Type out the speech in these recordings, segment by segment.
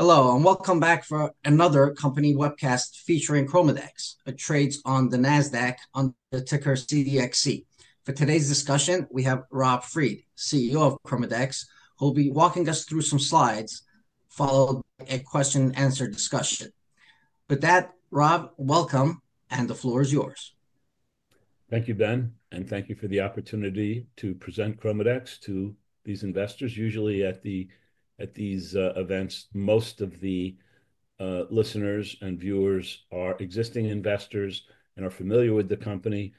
Hello, and welcome back for another company webcast featuring ChromaDex, a trades on the Nasdaq under the ticker CDXC. For today's discussion, we have Rob Fried, CEO of ChromaDex, who'll be walking us through some slides, followed by a question-and-answer discussion. With that, Rob, welcome, and the floor is yours. Thank you, Ben, and thank you for the opportunity to present ChromaDex to these investors. Usually, at these events, most of the listeners and viewers are existing investors and are familiar with the company,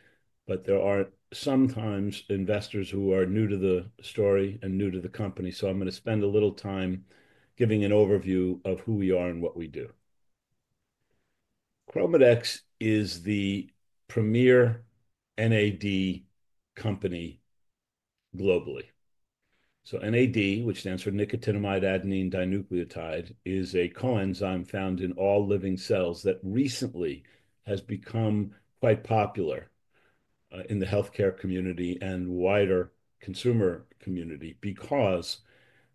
but there are sometimes investors who are new to the story and new to the company. So I'm going to spend a little time giving an overview of who we are and what we do. ChromaDex is the premier NAD company globally. So NAD, which stands for nicotinamide adenine dinucleotide, is a coenzyme found in all living cells that recently has become quite popular in the healthcare community and wider consumer community because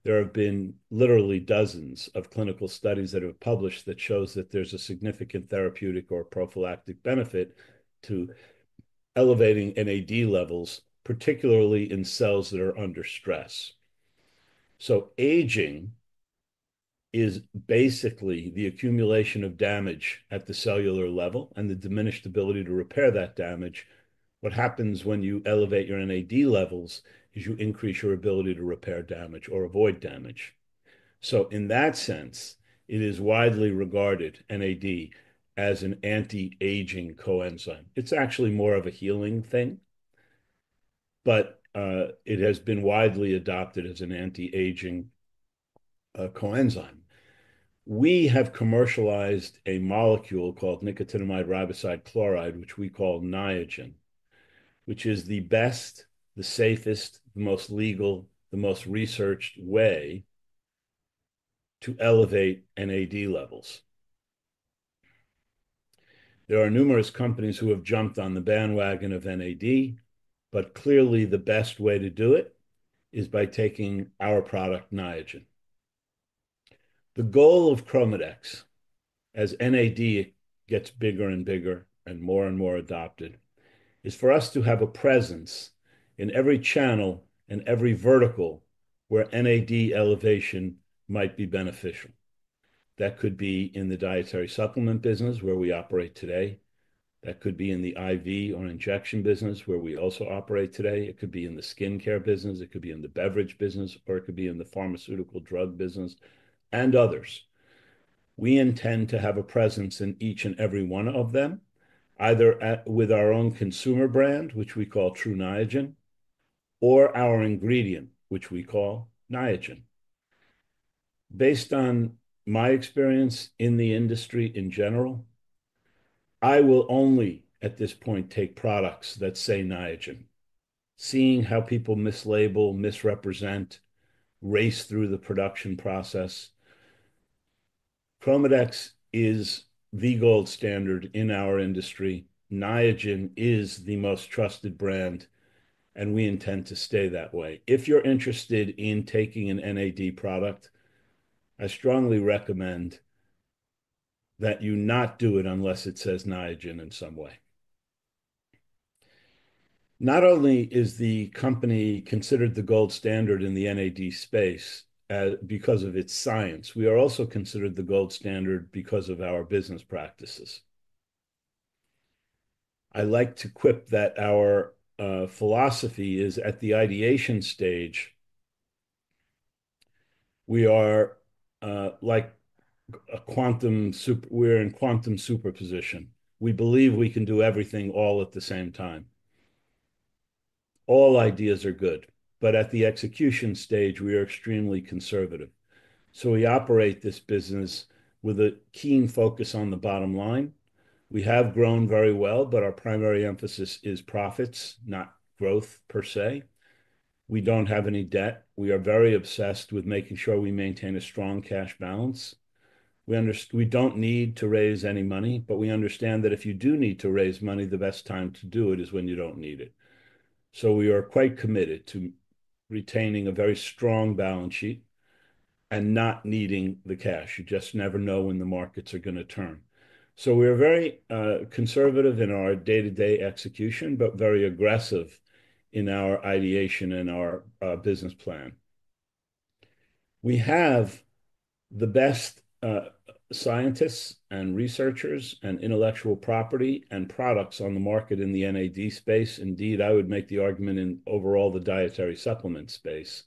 there have been literally dozens of clinical studies that have been published that show that there's a significant therapeutic or prophylactic benefit to elevating NAD levels, particularly in cells that are under stress. So aging is basically the accumulation of damage at the cellular level and the diminished ability to repair that damage. What happens when you elevate your NAD levels is you increase your ability to repair damage or avoid damage. So in that sense, it is widely regarded, NAD, as an anti-aging coenzyme. It's actually more of a healing thing, but it has been widely adopted as an anti-aging coenzyme. We have commercialized a molecule called nicotinamide riboside chloride, which we call Niagen, which is the best, the safest, the most legal, the most researched way to elevate NAD levels. There are numerous companies who have jumped on the bandwagon of NAD, but clearly the best way to do it is by taking our product, Niagen. The goal of ChromaDex, as NAD gets bigger and bigger and more and more adopted, is for us to have a presence in every channel and every vertical where NAD elevation might be beneficial. That could be in the dietary supplement business, where we operate today. That could be in the IV or injection business, where we also operate today. It could be in the skincare business. It could be in the beverage business, or it could be in the pharmaceutical drug business and others. We intend to have a presence in each and every one of them, either with our own consumer brand, which we call True Niagen, or our ingredient, which we call Niagen. Based on my experience in the industry in general, I will only, at this point, take products that say Niagen, seeing how people mislabel, misrepresent, race through the production process. ChromaDex is the gold standard in our industry. Niagen is the most trusted brand, and we intend to stay that way. If you're interested in taking an NAD product, I strongly recommend that you not do it unless it says Niagen in some way. Not only is the company considered the gold standard in the NAD space because of its science, we are also considered the gold standard because of our business practices. I like to quip that our philosophy is at the ideation stage. We are like a quantum superposition. We believe we can do everything all at the same time. All ideas are good, but at the execution stage, we are extremely conservative. So we operate this business with a keen focus on the bottom line. We have grown very well, but our primary emphasis is profits, not growth per se. We don't have any debt. We are very obsessed with making sure we maintain a strong cash balance. We don't need to raise any money, but we understand that if you do need to raise money, the best time to do it is when you don't need it. So we are quite committed to retaining a very strong balance sheet and not needing the cash. You just never know when the markets are going to turn. So we are very conservative in our day-to-day execution, but very aggressive in our ideation and our business plan. We have the best scientists and researchers and intellectual property and products on the market in the NAD space. Indeed, I would make the argument in overall the dietary supplement space.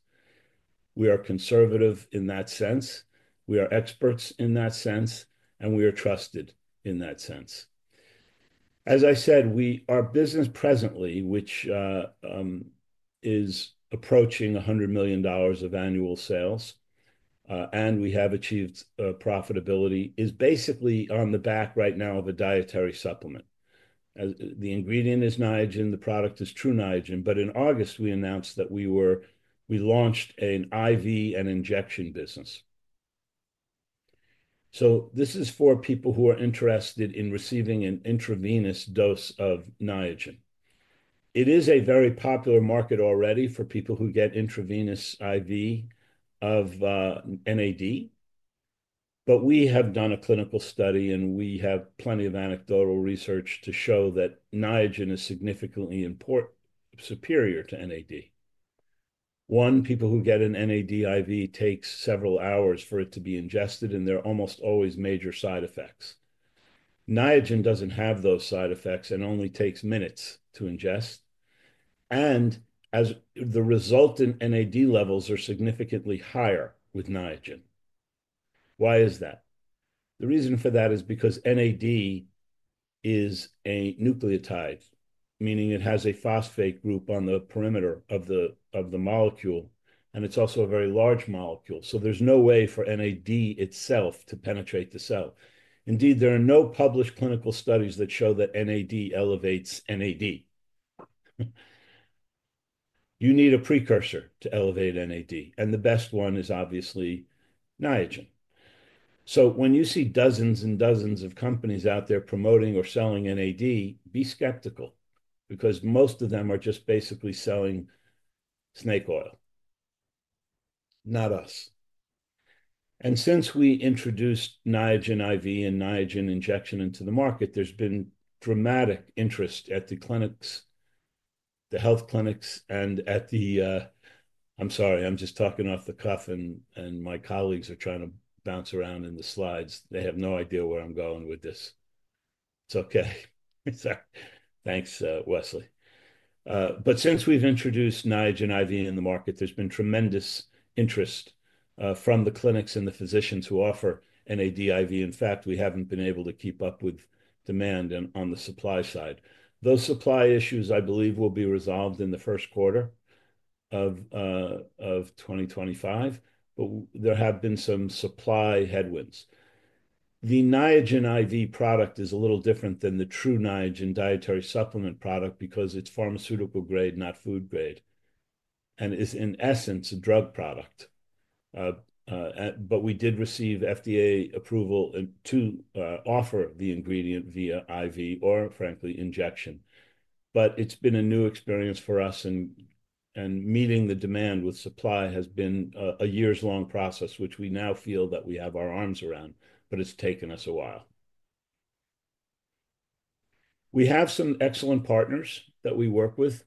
We are conservative in that sense. We are experts in that sense, and we are trusted in that sense. As I said, our business presently, which is approaching $100 million of annual sales, and we have achieved profitability, is basically on the back right now of a dietary supplement. The ingredient is Niagen. The product is True Niagen, but in August, we announced that we launched an IV and injection business. So this is for people who are interested in receiving an intravenous dose of Niagen. It is a very popular market already for people who get intravenous IV of NAD, but we have done a clinical study, and we have plenty of anecdotal research to show that Niagen is significantly superior to NAD. One, people who get an NAD IV take several hours for it to be ingested, and there are almost always major side effects. Niagen doesn't have those side effects and only takes minutes to ingest. And as the resultant NAD levels are significantly higher with Niagen. Why is that? The reason for that is because NAD is a nucleotide, meaning it has a phosphate group on the perimeter of the molecule, and it's also a very large molecule. So there's no way for NAD itself to penetrate the cell. Indeed, there are no published clinical studies that show that NAD elevates NAD. You need a precursor to elevate NAD, and the best one is obviously Niagen. So when you see dozens and dozens of companies out there promoting or selling NAD, be skeptical because most of them are just basically selling snake oil, not us. Since we introduced Niagen IV and Niagen injection into the market, there's been dramatic interest at the clinics, the health clinics. I'm sorry, I'm just talking off the cuff, and my colleagues are trying to bounce around in the slides. They have no idea where I'm going with this. It's okay. Thanks, Wesley. Since we've introduced Niagen IV in the market, there's been tremendous interest from the clinics and the physicians who offer NAD IV. In fact, we haven't been able to keep up with demand on the supply side. Those supply issues, I believe, will be resolved in the first quarter of 2025, but there have been some supply headwinds. The Niagen IV product is a little different than the True Niagen dietary supplement product because it's pharmaceutical grade, not food grade, and is, in essence, a drug product. But we did receive FDA approval to offer the ingredient via IV or, frankly, injection. But it's been a new experience for us, and meeting the demand with supply has been a years-long process, which we now feel that we have our arms around, but it's taken us a while. We have some excellent partners that we work with.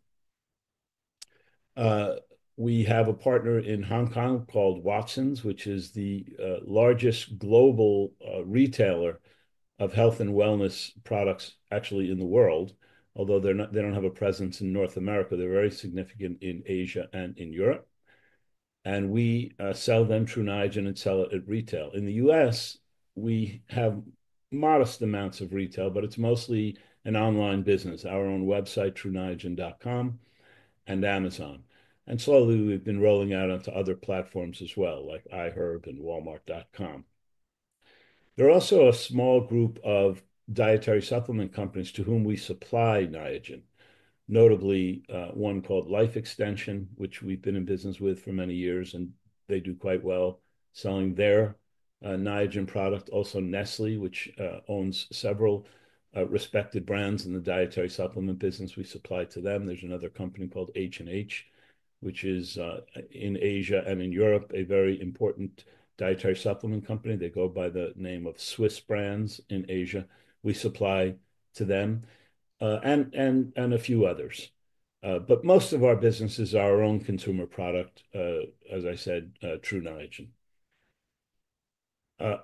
We have a partner in Hong Kong called Watsons, which is the largest global retailer of health and wellness products, actually in the world, although they don't have a presence in North America. They're very significant in Asia and in Europe. And we sell them True Niagen and sell it at retail. In the U.S., we have modest amounts of retail, but it's mostly an online business, our own website, trueniagen.com, and Amazon. And slowly, we've been rolling out onto other platforms as well, like iHerb and walmart.com. There are also a small group of dietary supplement companies to whom we supply Niagen, notably one called Life Extension, which we've been in business with for many years, and they do quite well selling their Niagen product. Also, Nestlé, which owns several respected brands in the dietary supplement business, we supply to them. There's another company called H&H, which is in Asia and in Europe, a very important dietary supplement company. They go by the name of Swiss brands in Asia. We supply to them and a few others. But most of our businesses are our own consumer product, as I said, True Niagen.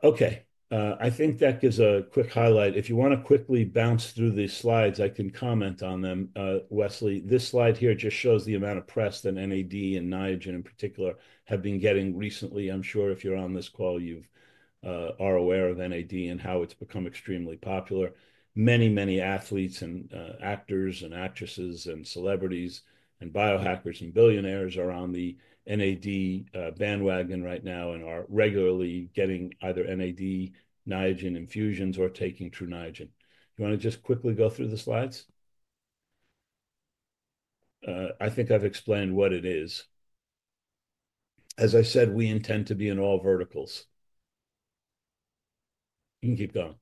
Okay, I think that gives a quick highlight. If you want to quickly bounce through these slides, I can comment on them. Wesley, this slide here just shows the amount of press that NAD and Niagen in particular have been getting recently. I'm sure if you're on this call, you are aware of NAD and how it's become extremely popular. Many, many athletes and actors and actresses and celebrities and biohackers and billionaires are on the NAD bandwagon right now and are regularly getting either NAD, Niagen infusions, or taking True Niagen. Do you want to just quickly go through the slides? I think I've explained what it is. As I said, we intend to be in all verticals. You can keep going.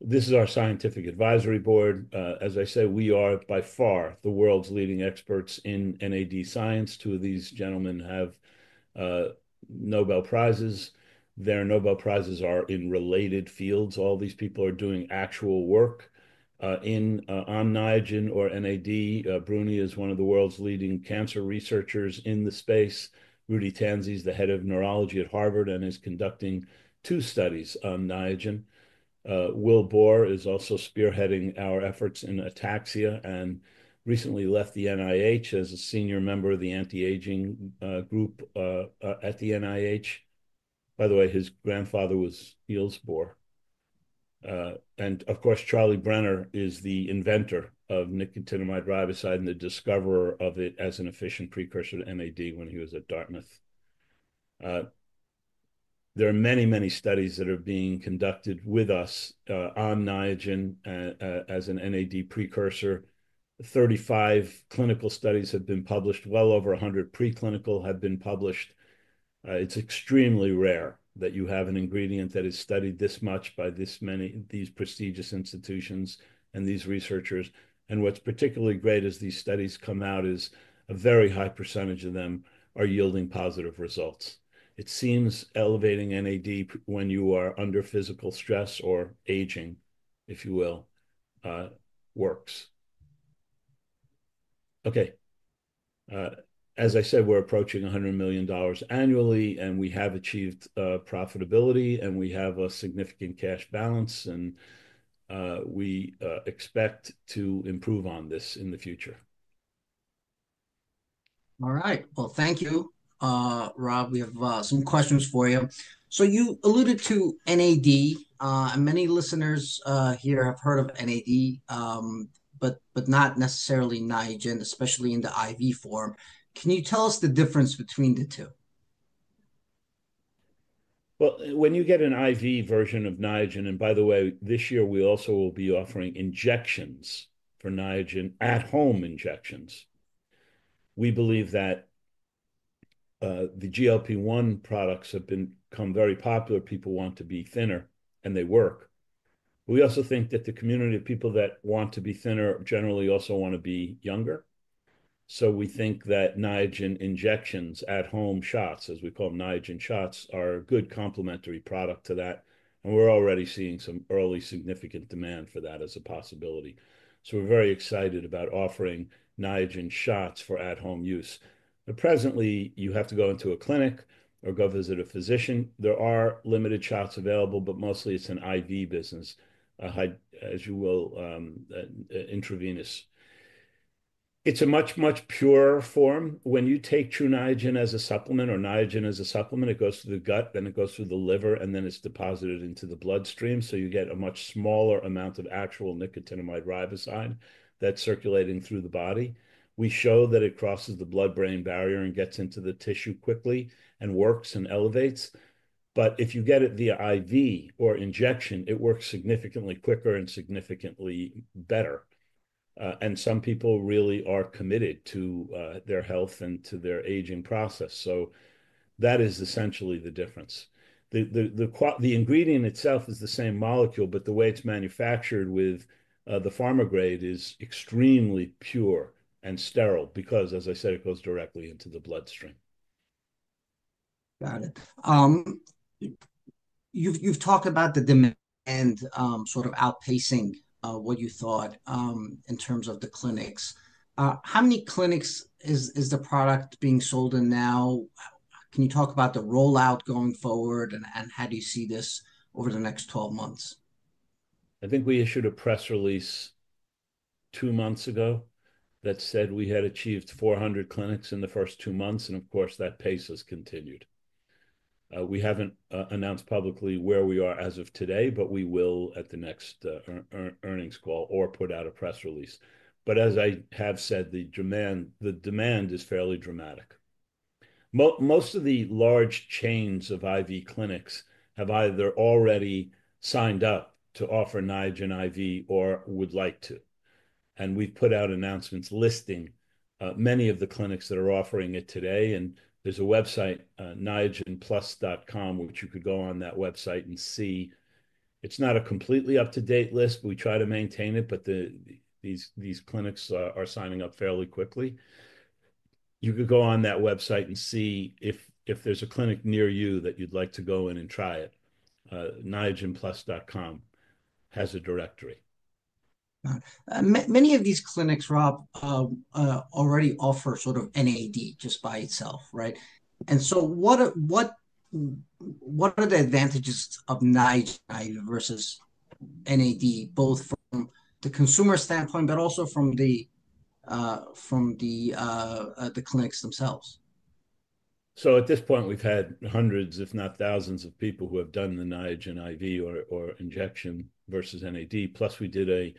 This is our scientific advisory board. As I say, we are by far the world's leading experts in NAD science. Two of these gentlemen have Nobel Prizes. Their Nobel Prizes are in related fields. All these people are doing actual work on Niagen or NAD. Brunie is one of the world's leading cancer researchers in the space. Rudolph Tanzi is the head of neurology at Harvard and is conducting two studies on Niagen. Vilhelm Bohr is also spearheading our efforts in ataxia and recently left the NIH as a senior member of the anti-aging group at the NIH. By the way, his grandfather was Niels Bohr. Of course, Charles Brenner is the inventor of nicotinamide riboside and the discoverer of it as an efficient precursor to NAD when he was at Dartmouth. There are many, many studies that are being conducted with us on Niagen as an NAD precursor. 35 clinical studies have been published. Well over 100 preclinical studies have been published. It's extremely rare that you have an ingredient that is studied this much by these prestigious institutions and these researchers. What's particularly great as these studies come out is a very high percentage of them are yielding positive results. It seems elevating NAD when you are under physical stress or aging, if you will, works. Okay. As I said, we're approaching $100 million annually, and we have achieved profitability, and we have a significant cash balance, and we expect to improve on this in the future. All right. Well, thank you, Rob. We have some questions for you. So you alluded to NAD, and many listeners here have heard of NAD, but not necessarily Niagen, especially in the IV form. Can you tell us the difference between the two? Well, when you get an IV version of Niagen, and by the way, this year, we also will be offering injections for Niagen at-home injections. We believe that the GLP-1 products have become very popular. People want to be thinner, and they work. We also think that the community of people that want to be thinner generally also want to be younger. So we think that Niagen injections at-home shots, as we call them Niagen shots, are a good complementary product to that. And we're already seeing some early significant demand for that as a possibility. So we're very excited about offering Niagen shots for at-home use. Presently, you have to go into a clinic or go visit a physician. There are limited shots available, but mostly, it's an IV business, as you will, intravenous. It's a much, much purer form. When you take True Niagen as a supplement or Niagen as a supplement, it goes through the gut, then it goes through the liver, and then it's deposited into the bloodstream. So you get a much smaller amount of actual nicotinamide riboside that's circulating through the body. We show that it crosses the blood-brain barrier and gets into the tissue quickly and works and elevates. But if you get it via IV or injection, it works significantly quicker and significantly better. And some people really are committed to their health and to their aging process. So that is essentially the difference. The ingredient itself is the same molecule, but the way it's manufactured with the pharma-grade is extremely pure and sterile because, as I said, it goes directly into the bloodstream. Got it. You've talked about the demand sort of outpacing what you thought in terms of the clinics. How many clinics is the product being sold in now? Can you talk about the rollout going forward, and how do you see this over the next 12 months? I think we issued a press release two months ago that said we had achieved 400 clinics in the first two months, and of course, that pace has continued. We haven't announced publicly where we are as of today, but we will at the next earnings call or put out a press release, but as I have said, the demand is fairly dramatic. Most of the large chains of IV clinics have either already signed up to offer Niagen IV or would like to, and we've put out announcements listing many of the clinics that are offering it today, and there's a website, niagenplus.com, which you could go on that website and see. It's not a completely up-to-date list. We try to maintain it, but these clinics are signing up fairly quickly. You could go on that website and see if there's a clinic near you that you'd like to go in and try it. NiagenPlus.com has a directory. Many of these clinics, Rob, already offer sort of NAD just by itself, right? And so what are the advantages of Niagen IV versus NAD, both from the consumer standpoint, but also from the clinics themselves? So at this point, we've had hundreds, if not thousands, of people who have done the Niagen IV or injection versus NAD. Plus, we did a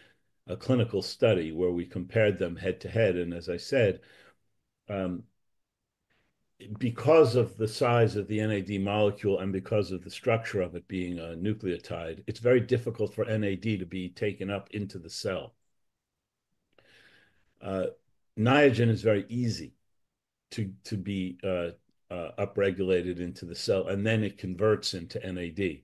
clinical study where we compared them head-to-head. And as I said, because of the size of the NAD molecule and because of the structure of it being a nucleotide, it's very difficult for NAD to be taken up into the cell. Niagen is very easy to be upregulated into the cell, and then it converts into NAD.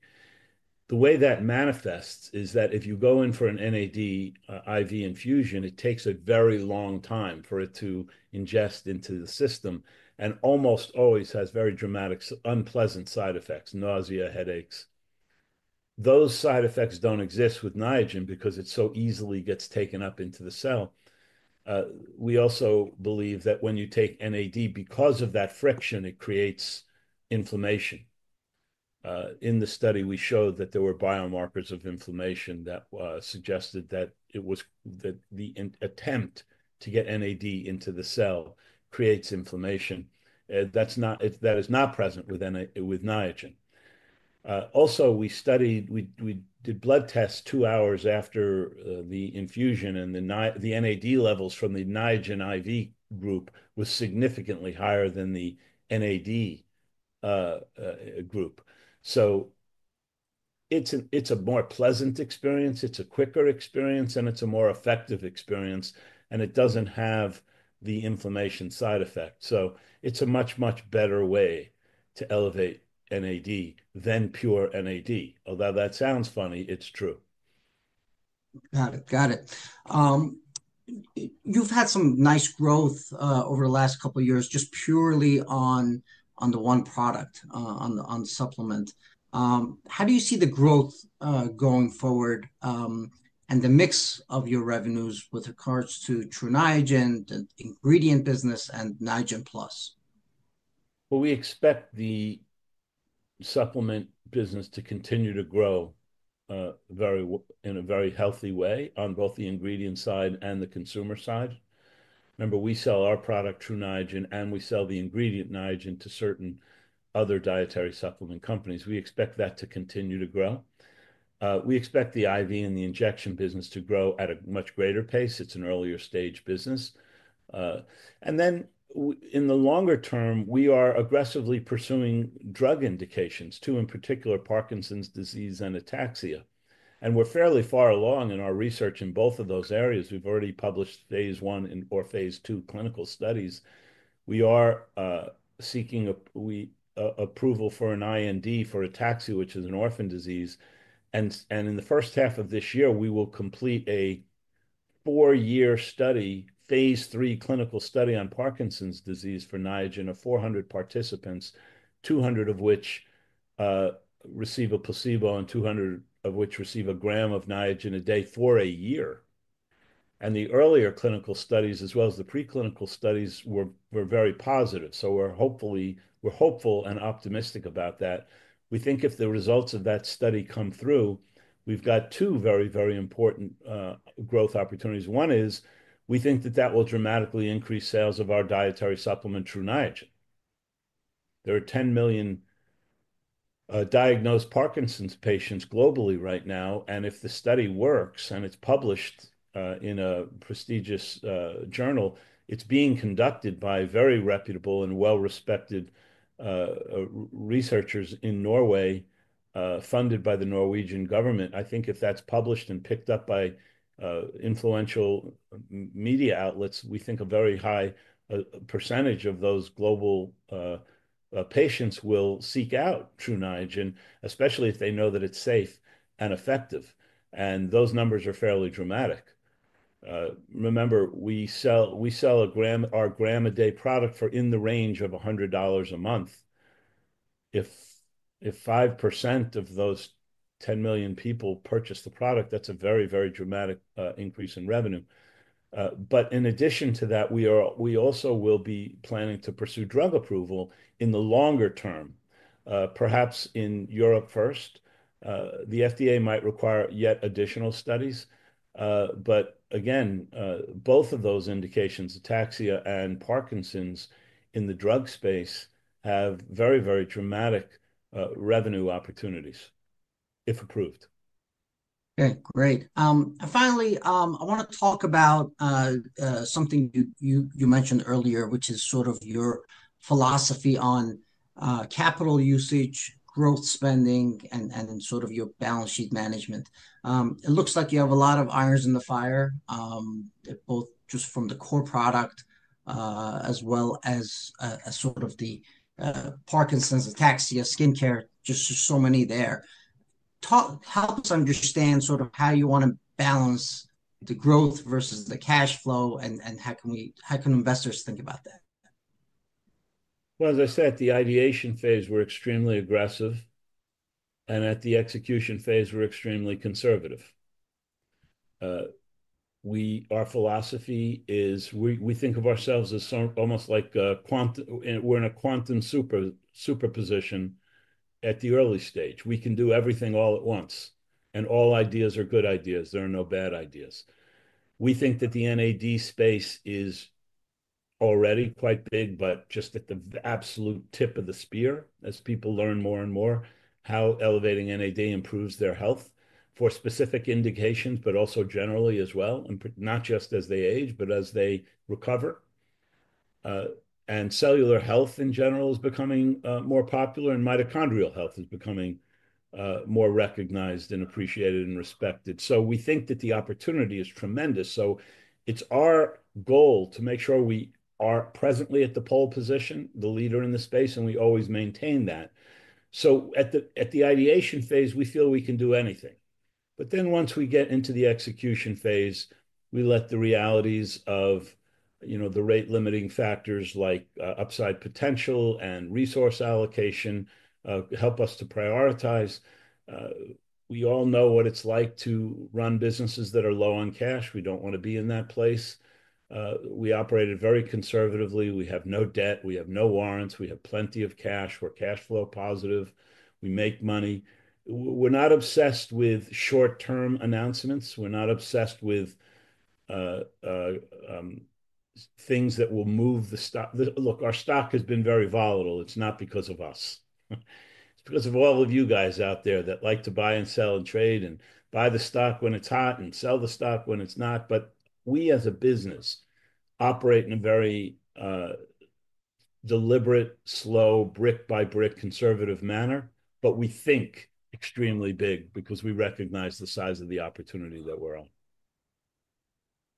The way that manifests is that if you go in for an NAD IV infusion, it takes a very long time for it to ingest into the system and almost always has very dramatic, unpleasant side effects, nausea, headaches. Those side effects don't exist with Niagen because it so easily gets taken up into the cell. We also believe that when you take NAD, because of that friction, it creates inflammation. In the study, we showed that there were biomarkers of inflammation that suggested that the attempt to get NAD into the cell creates inflammation. That is not present with Niagen. Also, we did blood tests two hours after the infusion, and the NAD levels from the Niagen IV group were significantly higher than the NAD group. So it's a more pleasant experience. It's a quicker experience, and it's a more effective experience, and it doesn't have the inflammation side effect. So it's a much, much better way to elevate NAD than pure NAD. Although that sounds funny, it's true. Got it. Got it. You've had some nice growth over the last couple of years just purely on the one product, on the supplement. How do you see the growth going forward and the mix of your revenues with regards to True Niagen, the ingredient business, and Niagen Plus? Well, we expect the supplement business to continue to grow in a very healthy way on both the ingredient side and the consumer side. Remember, we sell our product, True Niagen, and we sell the ingredient Niagen to certain other dietary supplement companies. We expect that to continue to grow. We expect the IV and the injection business to grow at a much greater pace. It's an earlier-stage business. And then in the longer term, we are aggressively pursuing drug indications, two in particular, Parkinson's disease and ataxia. And we're fairly far along in our research in both of those areas. We've already published phase one or phase two clinical studies. We are seeking approval for an IND for ataxia, which is an orphan disease. And in the first half of this year, we will complete a four-year study, phase three clinical study on Parkinson's disease for Niagen of 400 participants, 200 of which receive a placebo and 200 of which receive a gram of Niagen a day for a year. And the earlier clinical studies, as well as the preclinical studies, were very positive. So we're hopeful and optimistic about that. We think if the results of that study come through, we've got two very, very important growth opportunities. One is we think that that will dramatically increase sales of our dietary supplement, True Niagen. There are 10 million diagnosed Parkinson's patients globally right now, and if the study works and it's published in a prestigious journal, it's being conducted by very reputable and well-respected researchers in Norway funded by the Norwegian government. I think if that's published and picked up by influential media outlets, we think a very high percentage of those global patients will seek out True Niagen, especially if they know that it's safe and effective, and those numbers are fairly dramatic. Remember, we sell our gram-a-day product for in the range of $100 a month. If 5% of those 10 million people purchase the product, that's a very, very dramatic increase in revenue. But in addition to that, we also will be planning to pursue drug approval in the longer term, perhaps in Europe first. The FDA might require yet additional studies. But again, both of those indications, ataxia and Parkinson's in the drug space, have very, very dramatic revenue opportunities if approved. Okay. Great. Finally, I want to talk about something you mentioned earlier, which is sort of your philosophy on capital usage, growth spending, and sort of your balance sheet management. It looks like you have a lot of irons in the fire, both just from the core product as well as sort of the Parkinson's, ataxia, skincare, just so many there. Help us understand sort of how you want to balance the growth versus the cash flow and how can investors think about that? Well, as I said, the ideation phase, we're extremely aggressive. At the execution phase, we're extremely conservative. Our philosophy is we think of ourselves as almost like we're in a quantum superposition at the early stage. We can do everything all at once. All ideas are good ideas. There are no bad ideas. We think that the NAD space is already quite big, but just at the absolute tip of the spear as people learn more and more how elevating NAD improves their health for specific indications, but also generally as well, not just as they age, but as they recover. Cellular health in general is becoming more popular, and mitochondrial health is becoming more recognized and appreciated and respected. We think that the opportunity is tremendous. It's our goal to make sure we are presently at the pole position, the leader in the space, and we always maintain that. So at the ideation phase, we feel we can do anything. But then once we get into the execution phase, we let the realities of the rate-limiting factors like upside potential and resource allocation help us to prioritize. We all know what it's like to run businesses that are low on cash. We don't want to be in that place. We operate very conservatively. We have no debt. We have no warrants. We have plenty of cash. We're cash flow positive. We make money. We're not obsessed with short-term announcements. We're not obsessed with things that will move the stock. Look, our stock has been very volatile. It's not because of us. It's because of all of you guys out there that like to buy and sell and trade and buy the stock when it's hot and sell the stock when it's not. But we as a business operate in a very deliberate, slow, brick-by-brick conservative manner, but we think extremely big because we recognize the size of the opportunity that we're on.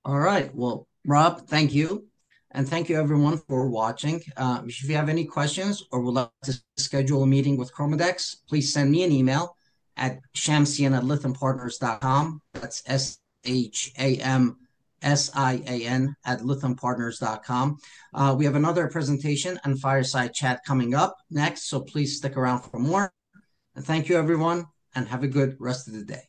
All right, well, Rob, thank you and thank you, everyone, for watching. If you have any questions or would like to schedule a meeting with ChromaDex, please send me an email at shamsian@lythampartners.com. That's shamsian@lythampartners.com. We have another presentation and fireside chat coming up next, so please stick around for more and thank you, everyone, and have a good rest of the day.